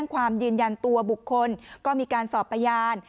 สองสามีภรรยาคู่นี้มีอาชีพ